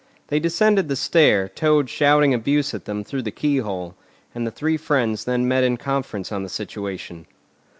They descended the stair, Toad shouting abuse at them through the keyhole; and the three friends then met in conference on the situation.